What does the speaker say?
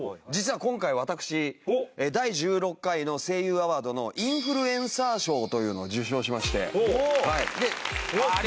実は今回私第１６回の声優アワードのインフルエンサー賞というのを受賞しまして。